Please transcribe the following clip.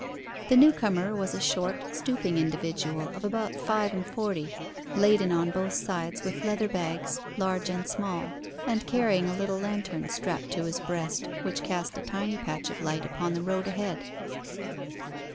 The new comer was a short, stooping individual of above five and forty, laden on both sides with leather bags large and small, and carrying a little lantern strapped to his breast, which cast a tiny patch of light upon the road ahead.